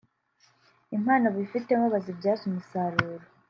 impano bifitemo bazibyaze umusaruro